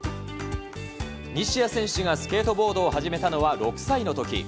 西矢選手がスケートボードを始めたのは６歳のとき。